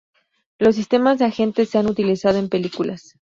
Los sistemas de agente se han utilizado en películas.